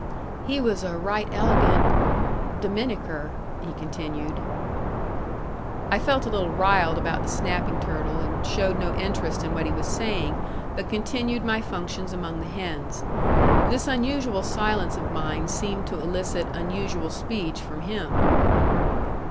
"He was a right elegant Dominicker," he continued. I felt a little riled about the snapping turtle, and showed no interest in what he was saying, but continued my functions among the hens. This unusual silence of mine seemed to elicit unusual speech from him.